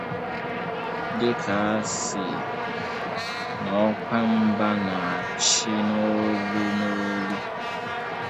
dịka a sị na ọkwa mba na-achị n'olu n'olu